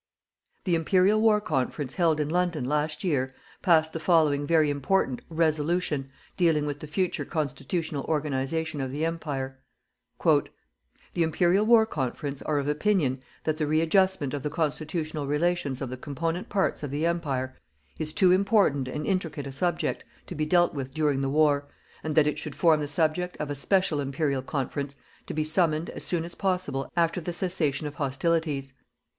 The Imperial War Conference held in London, last year, passed the following very important "Resolution" dealing with the future constitutional organisation of the Empire: "The Imperial War Conference are of opinion that the readjustment of the constitutional relations of the component parts of the Empire is too important and intricate a subject to be dealt with during the war, and that it should form the subject of a special Imperial Conference to be summoned as soon as possible after the cessation of hostilities.